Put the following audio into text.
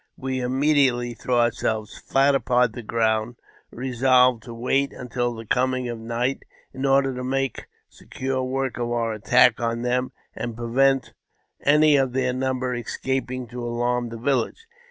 We immediately threw ourselves flat upon the ground, resolved to wait until the coming of night, in order to make secure work of our attack on them, and prevent any of their number escaping to alarm the village.